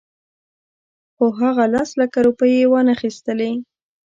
خو هغه لس لکه روپۍ یې وانخیستلې.